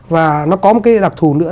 và nó có một cái đặc thù nữa